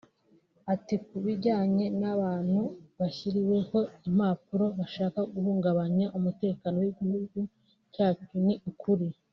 Ati “Ku bijyanye n’abantu bashyiriweho impapuro bashaka guhungabanya umutekano w’igihugu cyacu ni ukuri